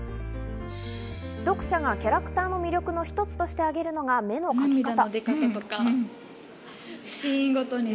読者がキャラクターの魅力の一つとして挙げるのが目の描き方。